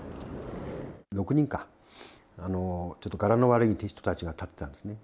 ６人かちょっと柄の悪い人たちが立ってたんですね。